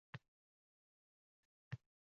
Kechirsinlar, bu kalni bir maqsad bilan olib keldik